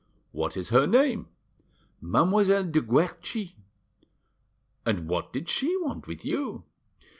"What is her name?" "Mademoiselle de Guerchi." "And what did she want with you?"